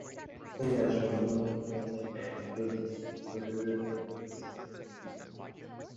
Ayers remained productively engaged on Broadway for the next sixteen years.